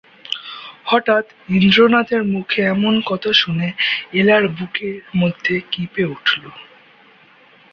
হঠাৎ ইন্দ্রনাথের মুখে এমন কথা শুনে এলার বুকের মধ্যে কেঁপে উঠল।